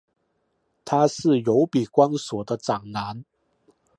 他是由比光索的长男。